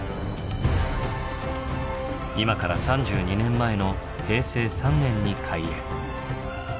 今から３２年前の平成３年に開園。